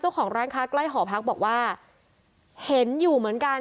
เจ้าของร้านค้าใกล้หอพักบอกว่าเห็นอยู่เหมือนกัน